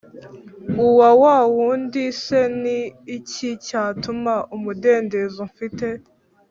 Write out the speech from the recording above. uwa wa wundi cNi iki cyatuma umudendezo mfite